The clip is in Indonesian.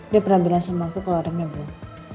dia pernah bilang sama aku kalau remnya belum